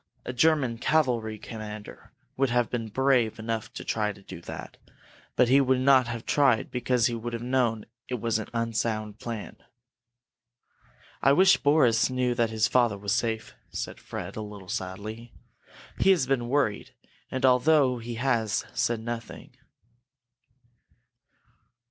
A German cavalry commander would have been brave enough to try to do that, but he would not have tried because he would have known that it was an unsound plan." "I wish Boris knew that his father was safe," said Fred, a little sadly. "He has been worried, although he has said nothing."